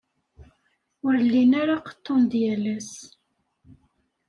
Ur llin ara qeḍḍun-d yal ass.